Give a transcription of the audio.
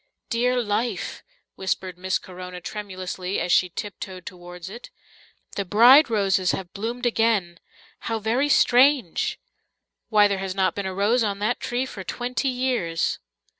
"Dear life," whispered Miss Corona tremulously, as she tiptoed towards it. "The bride roses have bloomed again! How very strange! Why, there has not been a rose on that tree for twenty years."